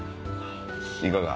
いかが？